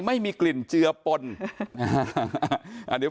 ไม่มีรอยไฟไหม้